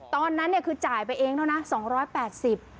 ตอนนั้นคือจ่ายไปเองแล้วนะ๒๘๐บาท